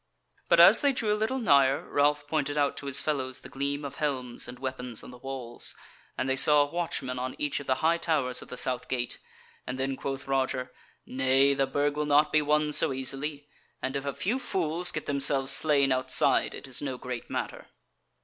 But as they drew a little nigher Ralph pointed out to his fellows the gleam of helms and weapons on the walls, and they saw a watchman on each of the high towers of the south gate; and then quoth Roger: "Nay, the Burg will not be won so easily; and if a few fools get themselves slain outside it is no great matter."